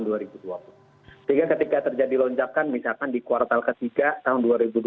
sehingga ketika terjadi lonjakan misalkan di kuartal ketiga tahun dua ribu dua puluh